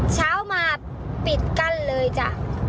เช้ามาปิดกั้นเลยจ้ะ